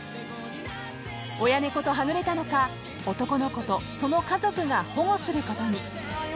［親猫とはぐれたのか男の子とその家族が保護することに］